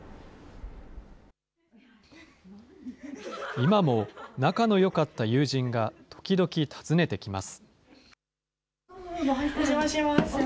今も仲のよかった友人が、時々訪ねてきます。